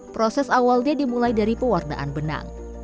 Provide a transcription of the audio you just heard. proses awalnya dimulai dari pewarnaan benang